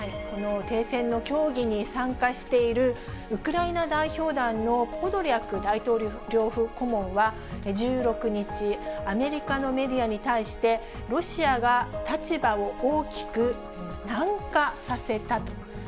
この停戦の協議に参加している、ウクライナ代表団のポドリャク大統領府顧問は、１６日、アメリカのメディアに対して、ロシアは立場を大きく軟化させたと。